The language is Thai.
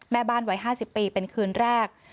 แม่บ้านวัย๕๐ปีเป็นคืนแรก